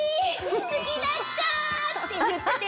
好きだっちゃ！」って言って。